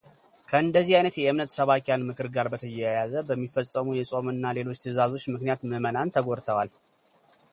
ከእንዲህ አይነት የእምነት ሰባኪያን ምክር ጋር በተያያዘ በሚፈጸሙ የጾም እና ሌሎች ትዕዛዞች ምክንያት ምዕመናን ተጎድተዋል